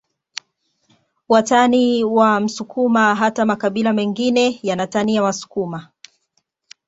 Watani wa msukuma hata makabila mengine yanatania wasukuma